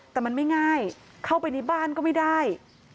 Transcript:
แต่มันไม่ง่ายเข้าไปในบ้านก็ไม่ได้